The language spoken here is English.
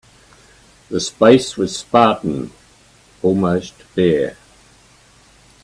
The space was spartan, almost bare.